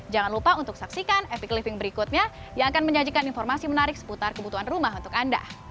jangan lupa untuk saksikan epic living berikutnya yang akan menyajikan informasi menarik seputar kebutuhan rumah untuk anda